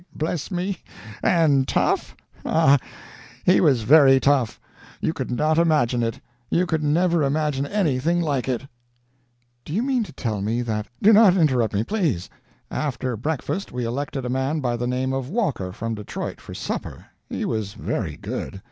why, bless me! and tough? Ah, he was very tough! You could not imagine it you could never imagine anything like it." "Do you mean to tell me that " "Do not interrupt me, please. After breakfast we elected a man by the name of Walker, from Detroit, for supper. He was very good.